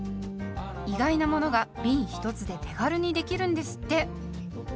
意外なものがびん１つで手軽にできるんですって。